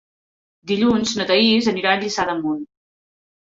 Dilluns na Thaís anirà a Lliçà d'Amunt.